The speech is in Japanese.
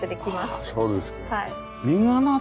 あっそうです。